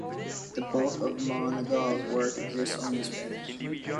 The bulk of Monegal's works exists only in Spanish.